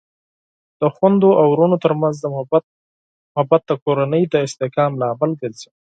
د خویندو او ورونو ترمنځ محبت د کورنۍ د استحکام لامل ګرځي.